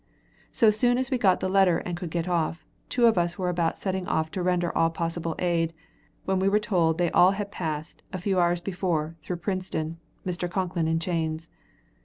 So soon as we got the letter and could get off, two of us were about setting off to render all possible aid, when we were told they all had passed, a few hours before, through Princeton, Mr. Concklin in chains.